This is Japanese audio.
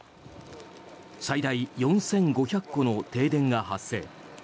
最大４５００戸の停電が発生。